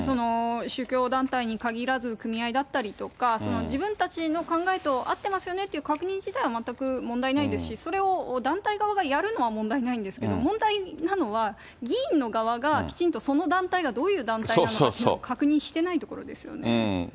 宗教団体に限らず、組合だったりとか、自分たちの考えと合ってますよねという確認自体は全く問題ないですし、それを団体側がやるのは問題ないんですけれども、問題なのは、議員の側が、きちんとその団体がどういう団体なのかというのを確認